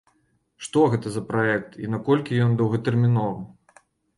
Што гэта за праект і наколькі ён доўгатэрміновы?